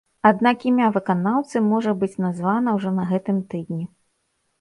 Аднак імя выканаўцы можа быць названа ўжо на гэтым тыдні.